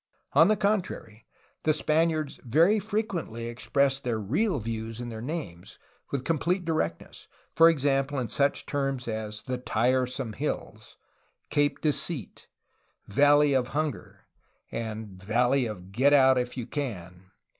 On the contrary, the Spaniards very frequently expressed their real views in their names, with complete directness, — for example, in such terms as ^'The Tiresome Hills," "Cape Deceit," ^'Valley of Hunger," and ''Valley of Get out if you can."